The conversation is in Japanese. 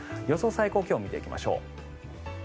最高気温見ていきましょう。